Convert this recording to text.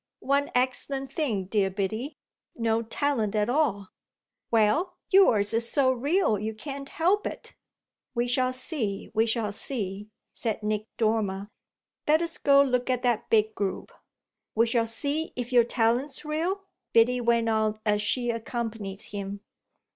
"One excellent thing, dear Biddy: no talent at all!" "Well, yours is so real you can't help it." "We shall see, we shall see," said Nick Dormer. "Let us go look at that big group." "We shall see if your talent's real?" Biddy went on as she accompanied him.